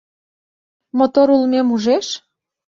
Мотор улмем ужеш?